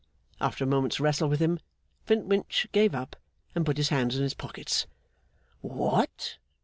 After a moment's wrestle with him, Flintwinch gave up, and put his hands in his pockets. 'What!